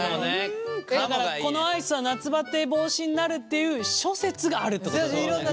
このアイスは夏バテ防止になるっていう諸説があるってこと。